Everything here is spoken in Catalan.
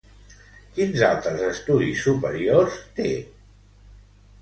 Quins altres estudis superiors té?